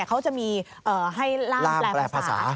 เขาจะมีให้ล่ามแปลภาษา